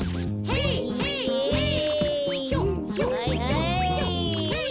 はいはい！